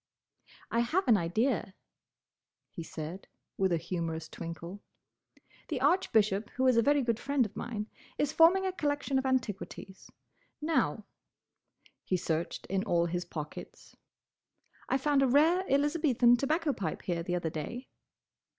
"I have an idea," he said, with a humorous twinkle. "The Archbishop, who is a very good friend of mine, is forming a collection of antiquities. Now—" he searched in all his pockets—"I found a rare Elizabethan tobacco pipe here the other day."